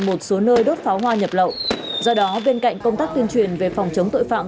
một số nơi đốt pháo hoa nhập lậu do đó bên cạnh công tác tuyên truyền về phòng chống tội phạm